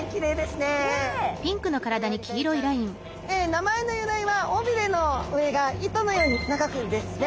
名前の由来は尾鰭の上が糸のように長くですね。